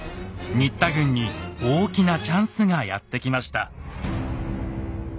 新田軍に大きなチャンスがやって来ました。